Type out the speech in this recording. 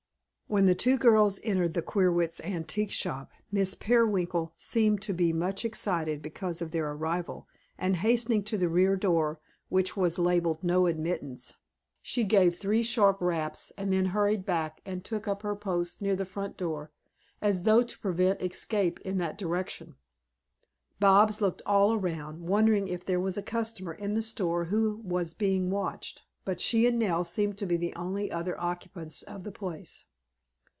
When the two girls entered the Queerwitz Antique Shop, Miss Peerwinkle seemed to be much excited because of their arrival and, hastening to the rear door, which was labeled "No Admittance," she gave three sharp raps and then hurried back and took up her post near the front door, as though to prevent escape in that direction. Bobs looked all around, wondering if there was a customer in the store who was being watched, but she and Nell seemed to be the only other occupants of the place.